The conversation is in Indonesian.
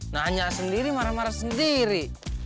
nanya sendiri marah marah sendiri